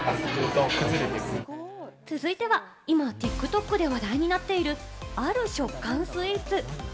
続いては、今ＴｉｋＴｏｋで話題になっている、ある食感スイーツ！